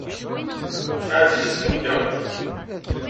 Ɛzizet temgeṛṭ.